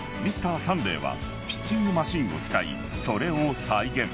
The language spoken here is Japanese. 「Ｍｒ．サンデー」はピッチングマシンを使いそれを再現。